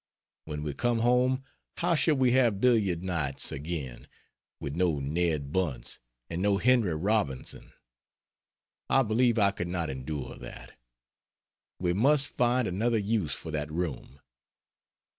When we come home, how shall we have billiard nights again with no Ned Bunce and no Henry Robinson? I believe I could not endure that. We must find another use for that room.